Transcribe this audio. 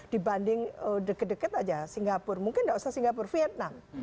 dibanding deket deket aja singapura mungkin nggak usah singapura vietnam